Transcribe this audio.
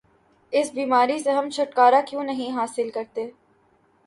اس بیماری سے ہم چھٹکارا کیوں نہیں حاصل کرتے؟